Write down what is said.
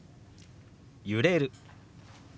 「揺れる」。